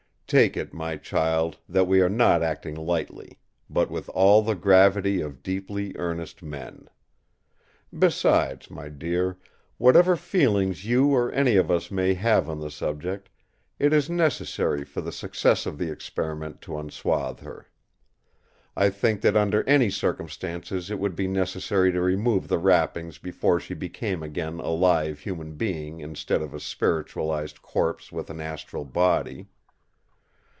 Take it, my child, that we are not acting lightly; but with all the gravity of deeply earnest men! Besides, my dear, whatever feelings you or any of us may have on the subject, it is necessary for the success of the experiment to unswathe her. I think that under any circumstances it would be necessary to remove the wrappings before she became again a live human being instead of a spiritualised corpse with an astral body.